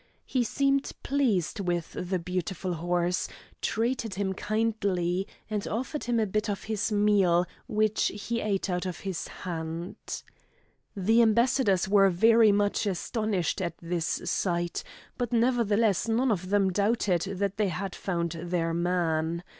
He seemed pleased with the beautiful horse, treated him kindly, and offered him a bit of his meal, and which he eat out of his hand. The ambassadors were very much astonished at this sight, but nevertheless none of them doubted that they had found their man.